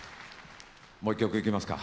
もう一曲いきますか。